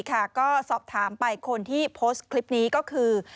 ก็สอบถามไปคนที่โพสต์คลิปนี้ก็คือ